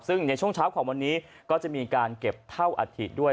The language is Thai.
ซึ่งในช่วงเช้าของวันนี้ก็จะมีการเก็บเท่าอัฐิด้วย